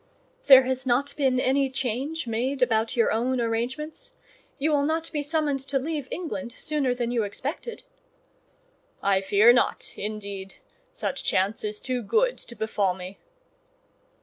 "There has not been any change made about your own arrangements? You will not be summoned to leave England sooner than you expected?" "I fear not, indeed: such chance is too good to befall me."